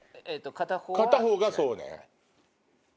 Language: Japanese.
片方がそうね。